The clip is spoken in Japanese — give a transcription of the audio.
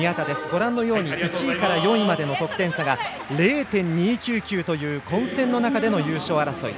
ご覧のように１位から４位までの得点差が０．２９９という混戦の中での優勝争い。